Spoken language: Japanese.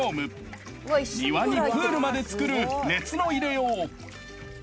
［庭にプールまで作る熱の入れよう］